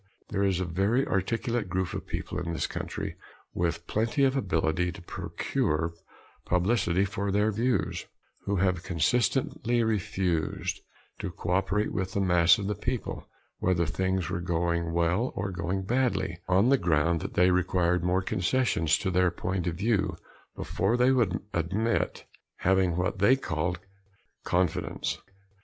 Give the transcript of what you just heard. There is a very articulate group of people in this country, with plenty of ability to procure publicity for their views, who have consistently refused to cooperate with the mass of the people, whether things were going well or going badly, on the ground that they required more concessions to their point of view before they would admit having what they called "confidence."